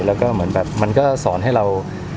แล้วก็เหมือนแบบมันก็สอนให้เรา